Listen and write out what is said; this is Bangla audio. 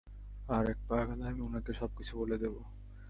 আর এক পা আগালে আমি ওনাকে সবকিছু বলে দেব।